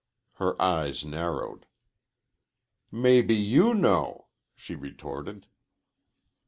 Her eyes narrowed. "Maybe you know," she retorted.